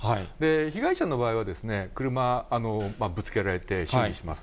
被害者の場合は、車、ぶつけられて修理します。